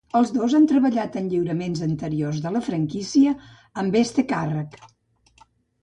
Els dos han treballat en lliuraments anteriors de la franquícia amb este càrrec.